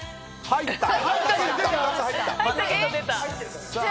入った。